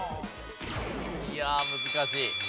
いや難しい。